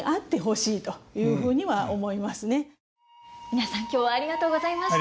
皆さん今日はありがとうございました。